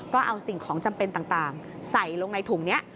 ก็เอาสิ่งของจำเป็นต่างใส่ลงในถุงนี้